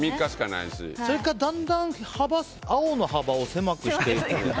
それから、だんだん青の幅を狭くしていくとか。